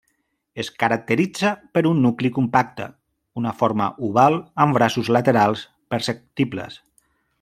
Es caracteritza per un nucli compacte, una forma oval, amb braços laterals perceptibles.